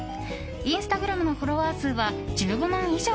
インスタグラムのフォロワー数は１５万以上。